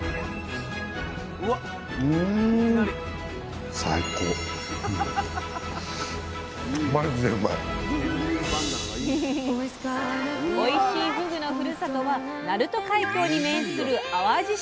うんおいしいふぐのふるさとは鳴門海峡に面する淡路島。